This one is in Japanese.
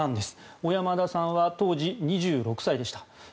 小山田さんは当時２６歳でした。